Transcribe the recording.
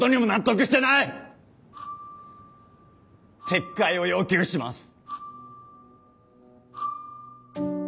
撤回を要求します！